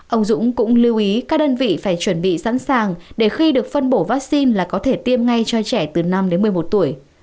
ông dũng cũng lưu ý các đơn vị phải chuẩn bị sẵn sàng để khi được phân bổ vaccine là có thể tiêm ngay cho trẻ từ năm đến một mươi một tuổi